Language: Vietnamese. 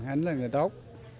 anh là người tốt